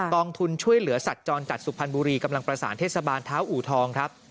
องทุนช่วยเหลือสัตว์จรจัดสุพรรณบุรีกำลังประสานเทศบาลเท้าอูทองครับ